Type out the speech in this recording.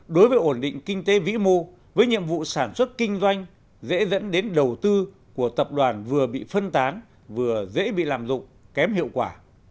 đối với ổn định kinh tế vĩ mô với nhiệm vụ sản xuất kinh doanh dễ dẫn đến đầu tư của tập đoàn vừa bị phân tán vừa dễ bị lạm dụng kém hiệu quả